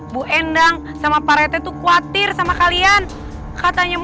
bu enang jangan loncat ya